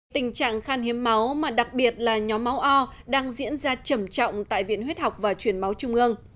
tình trạng khan hiếm máu mà đặc biệt là nhóm máu o đang diễn ra trầm trọng tại viện huyết học và truyền máu trung ương